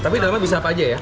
tapi dalamnya bisa apa aja ya